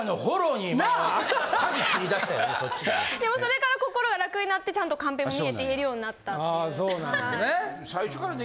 でもそれから心が楽になってちゃんとカンペも見えて言えるようになったっていう。